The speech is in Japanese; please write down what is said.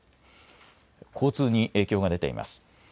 交通に影響が出ています。